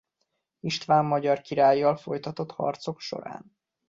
István magyar királlyal folytatott harcok során.